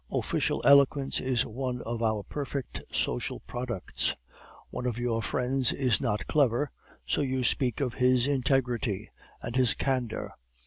Official eloquence is one of our perfect social products. "'One of your friends is not clever, so you speak of his integrity and his candor.